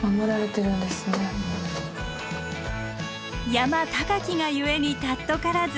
山高きが故に貴からず。